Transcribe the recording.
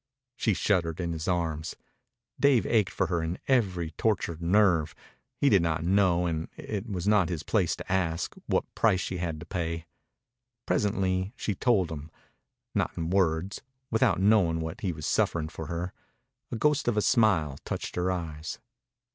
She shuddered in his arms. Dave ached for her in every tortured nerve. He did not know, and it was not his place to ask, what price she had had to pay. Presently she told him, not in words, without knowing what he was suffering for her. A ghost of a smile touched her eyes.